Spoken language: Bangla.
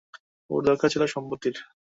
ওর দরকার ছিল সম্পত্তির।